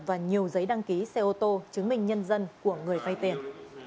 và nhiều giấy đăng ký xe ô tô chứng minh nhân dân của người vay tiền